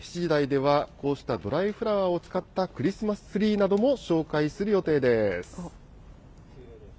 このあと７時台では、こうしたドライフラワーを使ったクリスマスツリーなども紹介する予定です。